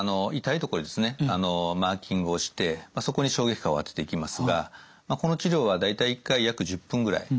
マーキングをしてそこに衝撃波を当てていきますがこの治療は大体１回約１０分ぐらい。